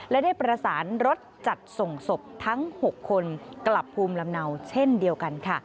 และได้ประสานรถจัดส่งศพทั้ง๖คนกลับภูมิลำเนาเช่นเดียวกันค่ะ